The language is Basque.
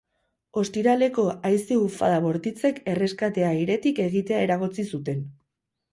Ostiraleko haize-ufada bortitzek erreskatea airetik egitea eragotzi zuten.